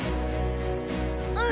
うん！